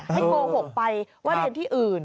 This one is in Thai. ให้โกหกไปว่าเรียนที่อื่น